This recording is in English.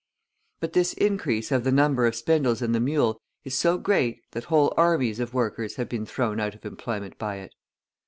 But this increase of the number of spindles in the mule is so great that whole armies of workers have been thrown out of employment by it.